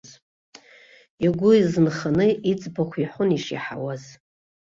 Игәы изынханы иӡбахә иҳәон ишиаҳауаз.